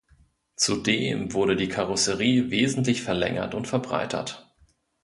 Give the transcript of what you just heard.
Zudem wurde die Karosserie wesentlich verlängert und verbreitert.